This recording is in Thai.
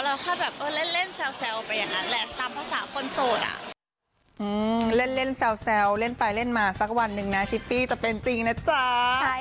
เราค่อยแบบเล่นแซวไปอย่างงั้นแหละ